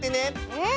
うん！